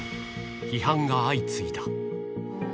批判が相次いだ。